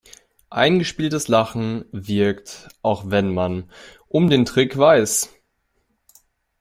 Eingespieltes Lachen wirkt, auch wenn man um den Trick weiß.